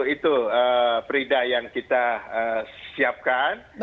itu frida yang kita siapkan